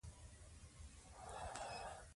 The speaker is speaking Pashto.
تاسو کولای سئ د څپو شمېر وشمېرئ.